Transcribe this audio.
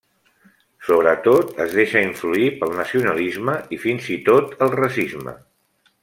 Sobretot es deixa influir pel nacionalisme i fins i tot el racisme.